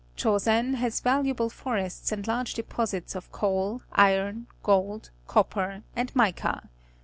Chosen has valuable Jorests and large deposits of coal, iro n^^_gold, copper, and mica.